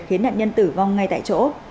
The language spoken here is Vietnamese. khiến nạn nhân tử vong ngay tại chỗ